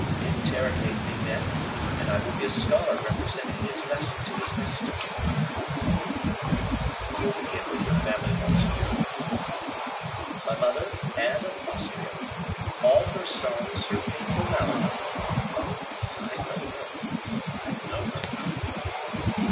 "Interrogate me, then, and I will be a scholar representing his lesson to his master." "We will begin with your family, monseigneur." "My mother, Anne of Austria! all her sorrows, her painful malady. Oh! I know her I know her."